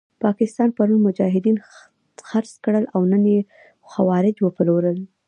پاکستان پرون مجاهدین خرڅ کړل او نن یې خوارج وپلورل.